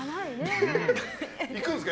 行くんですか？